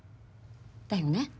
だよね？